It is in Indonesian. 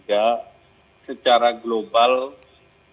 jadi kita secara global ada beberapa indikasinya